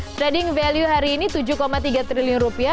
trading value hari ini tujuh tiga triliun rupiah